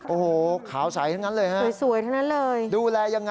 โอ้โหขาวใสทั้งนั้นเลยดูแลยังไง